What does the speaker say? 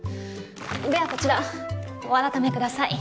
ではこちらお改めください